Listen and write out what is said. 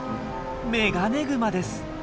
メガネグマです。